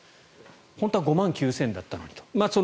本当は５万９０００人だったのにと。